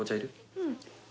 うん。